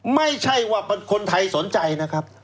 ไม่ใช่ว่าคนไทยสนใจนะครับ